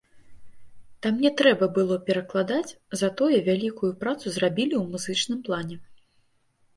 Там не трэба было перакладаць, затое вялікую працу зрабілі ў музычным плане.